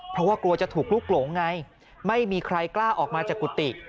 เพราะว่ากลัวจะถูกลุกหลงไงไม่มีใครกล้าออกมาจากกุฏิ